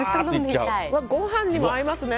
ご飯にも合いますね。